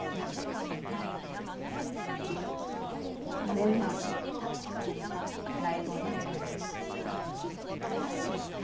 メンバーとライブをやります。